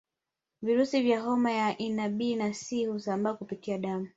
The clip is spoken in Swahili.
Virusi vya homa ya ini B na C husambaa kupitia damu